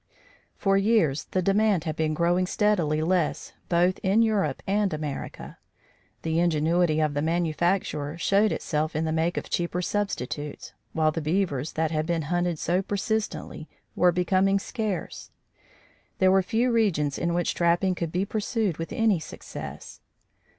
For years, the demand had been growing steadily less both in Europe and America. The ingenuity of the manufacturer showed itself in the make of cheaper substitutes, while the beavers that had been hunted so persistently were becoming scarce: there were few regions in which trapping could be pursued with any success.